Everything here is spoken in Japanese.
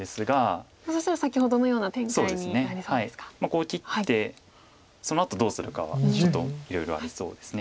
こう切ってそのあとどうするかはちょっといろいろありそうです。